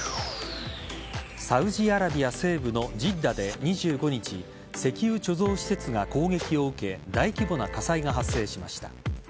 サウジアラビア西部のジッダで２５日石油貯蔵施設が攻撃を受け大規模な火災が発生しました。